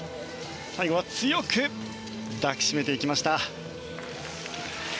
最後は強く抱きしめていきました。